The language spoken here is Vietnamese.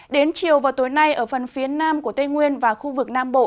đến chiều vào tối nay ở phần phía nam của tây nguyên và khu vực nam bộ